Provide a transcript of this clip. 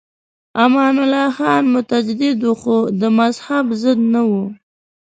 امان الله خان متجدد و خو د مذهب ضد نه و.